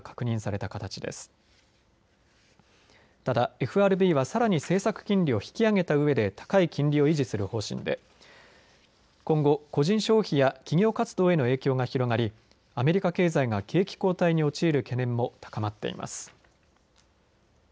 ただ、ＦＲＢはさらに政策金利を引き上げたうえで高い金利を維持する方針で今後、個人消費や企業活動への影響が広がりアメリカ経済が景気後退に陥る懸念も高まっています。